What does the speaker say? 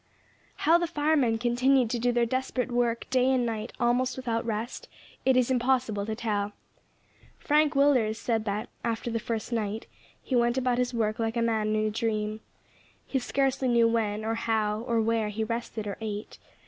How the firemen continued to do their desperate work, day and night, almost without rest, it is impossible to tell. Frank Willders said that, after the first night, he went about his work like a man in a dream. He scarcely knew when, or how, or where he rested or ate.